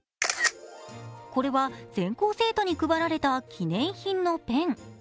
これは全校生徒に配られた記念品のペン。